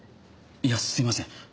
いやすいません。